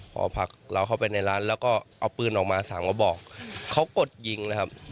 หอพักเราเข้าไปในร้านแล้วก็เอาปืนออกมาสามกระบอกเขากดยิงนะครับ